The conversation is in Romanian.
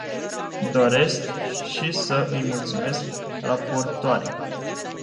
Doresc și să îi mulțumesc raportoarei.